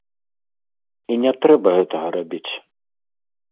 І не трэба гэтага рабіць.